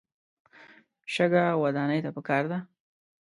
شګه ودانۍ ته پکار ده.